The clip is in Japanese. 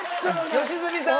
良純さん！